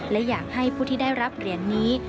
และอยากให้ผู้ที่ได้รับเหรียญนี้